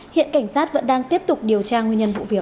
hiện cảnh sát vẫn đang tiếp tục điều tra nguyên nhân vụ việc